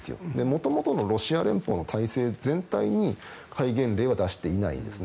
もともとのロシア連邦の体制全体に戒厳令は出していないんです。